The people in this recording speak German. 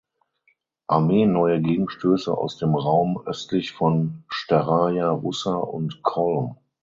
Armee neue Gegenstöße aus dem Raum östlich von Staraja Russa und Cholm.